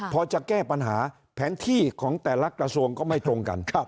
พอจะแก้ปัญหาแผนที่ของแต่ละกระทรวงก็ไม่ตรงกัน